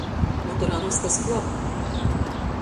Motorā nazkas klab.